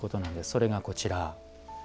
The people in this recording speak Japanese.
それがこちら。